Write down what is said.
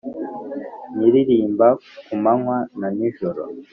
Nyiririmba ku manywa na nijoro,